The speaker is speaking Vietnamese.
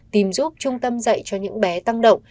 tìm giúp trung tâm dạy cho những bé tăng động